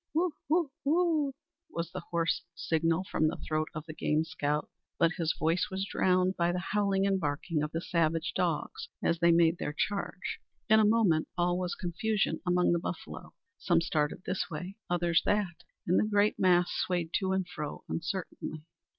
"Woo, woo, woo!" was the hoarse signal from the throat of the game scout; but his voice was drowned by the howling and barking of the savage dogs as they made their charge. In a moment all was confusion among the buffalo. Some started this way, others that, and the great mass swayed to and fro uncertainly.